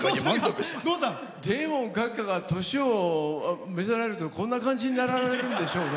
でも、デーモン閣下が年を召せられるとこんな感じになられるんでしょうね。